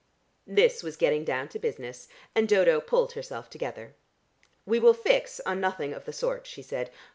This was getting down to business, and Dodo pulled herself together. "We will fix on nothing of the sort," she said.